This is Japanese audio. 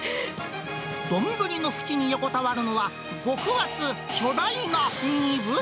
丼の縁に横たわるのは、極厚、巨大な煮豚。